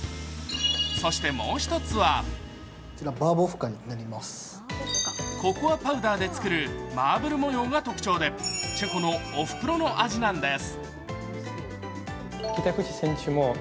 そしてもう一つはココアパウダーで作るマーブル模様が特徴でチェコのおふくろの味なんです。